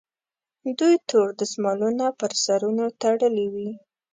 دوی تور دستمالونه پر سرونو تړلي وي.